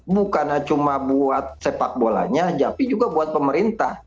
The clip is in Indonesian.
bukan cuma buat sepak bolanya tapi juga buat pemerintah